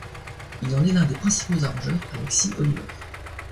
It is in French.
Il en est l'un des principaux arrangeurs avec Sy Oliver.